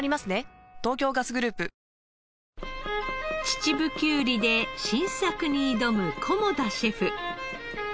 秩父きゅうりで新作に挑む菰田シェフ。